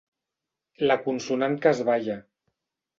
La consonant que es balla.